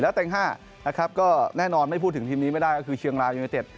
แล้วเต็ง๕นะครับก็แน่นอนไม่พูดถึงทีมนี้ไม่ได้ก็คือเชียงรายยูเนเต็ด